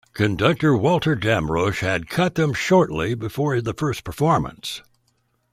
Conductor Walter Damrosch had cut them shortly before the first performance.